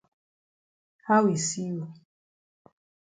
How e see you?